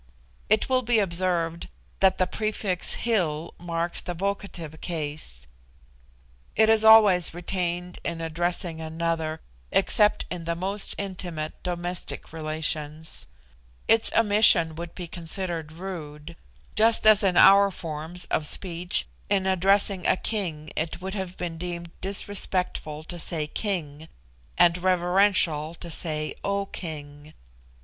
It will be observed that the prefix Hil marks the vocative case. It is always retained in addressing another, except in the most intimate domestic relations; its omission would be considered rude: just as in our of forms of speech in addressing a king it would have been deemed disrespectful to say "King," and reverential to say "O King."